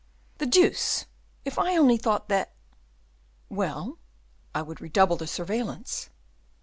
"The deuce! if I only thought that " "Well?" "I would redouble the surveillance."